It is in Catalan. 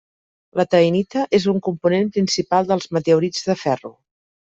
La taenita és un component principal dels meteorits de ferro.